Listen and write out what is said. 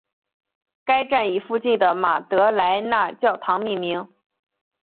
该站以附近的马德莱娜教堂命名。